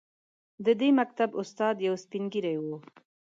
د دې مکتب استاد یو سپین ږیری و.